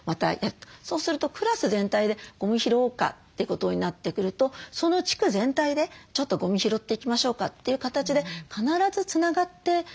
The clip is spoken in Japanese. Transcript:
そうするとクラス全体でゴミ拾おうかってことになってくるとその地区全体でちょっとゴミ拾っていきましょうかという形で必ずつながっていくんですね。